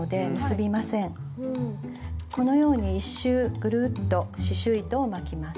このように１周ぐるっと刺しゅう糸を巻きます。